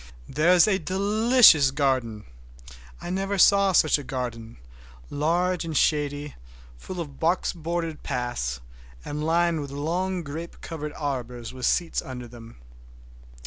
There is a delicious garden! I never saw such a garden—large and shady, full of box bordered paths, and lined with long grape covered arbors with seats under them.